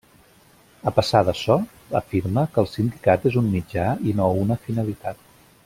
A pesar d'açò, afirma que el sindicat és un mitjà i no una finalitat.